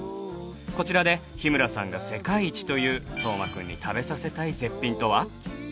こちらで日村さんが世界一という斗真くんに食べさせたい絶品とは？